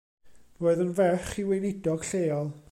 Roedd yn ferch i weinidog lleol.